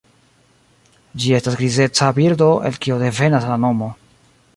Ĝi estas grizeca birdo, el kio devenas la nomo.